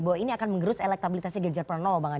bahwa ini akan mengerus elektabilitasnya di jepang